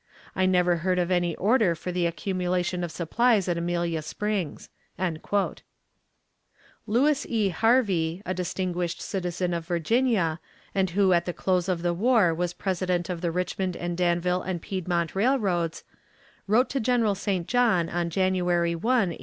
I never heard of any order for the accumulation of supplies at Amelia Springs." Lewis E. Harvie, a distinguished citizen of Virginia, and who at the close of the war was President of the Richmond and Danville and Piedmont Railroads, wrote to General St. John on January 1, 1876.